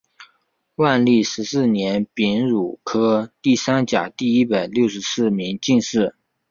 万历十四年丙戌科第三甲第一百六十四名进士。